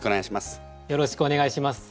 よろしくお願いします。